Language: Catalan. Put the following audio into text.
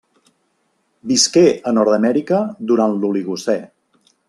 Visqué a Nord-amèrica durant l'Oligocè.